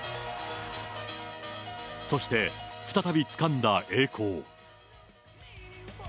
そして再びつかんだ栄光。